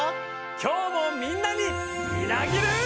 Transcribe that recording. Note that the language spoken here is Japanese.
今日もみんなにみなぎる。